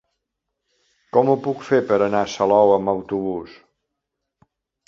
Com ho puc fer per anar a Salou amb autobús?